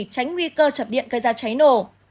tránh nguy cơ chập điện gây ra cháy nổ